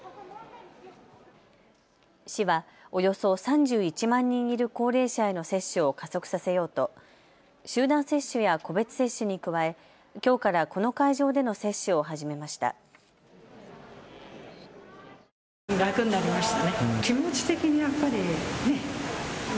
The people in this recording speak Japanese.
市は、およそ３１万人いる高齢者への接種を加速させようと集団接種や個別接種に加えきょうからこの会場での接種を始めました。